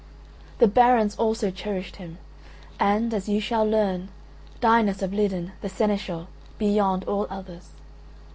The barons also cherished him, and (as you shall learn) Dinas of Lidan, the seneschal, beyond all others.